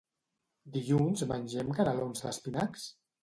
Dilluns mengem canelons d'espinacs?